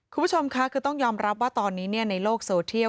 คุณผู้ชมค่ะคือต้องยอมรับว่าตอนนี้ในโลกโซเทียล